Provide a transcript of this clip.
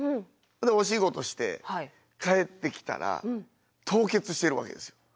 でお仕事して帰ってきたら凍結してるわけですよ。